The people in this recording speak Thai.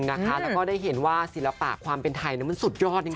แล้วก็ได้เห็นว่าศิลปะความเป็นไทยมันสุดยอดจริง